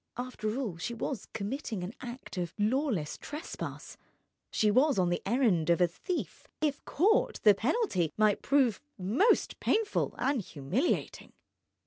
After all, she was committing an act of lawless trespass, she was on the errand of a thief; if caught the penalty might prove most painful and humiliating.